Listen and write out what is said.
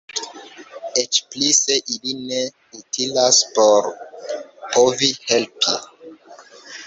Eĉ pli se ili ne utilas por povi helpi.